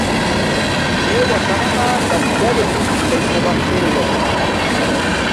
تے وتننا ڈاگ ڈرکن کسک سبق دیں گا چھاہ۔